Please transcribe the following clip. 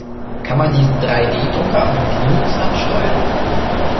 Kann man diesen Drei-D-Drucker auch mit Linux ansteuern?